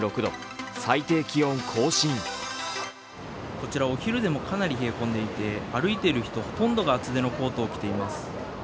こちらお昼でもかなり冷え込んでいて歩いている人、ほとんどが厚手のコートを着ています。